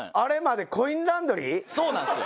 そうなんですよ